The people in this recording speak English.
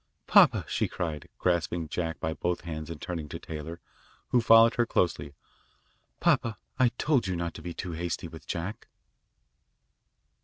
"Papa," she cried, grasping Jack by both hands and turning to Taylor, who followed her closely, "Papa, I told you not to be too hasty with Jack."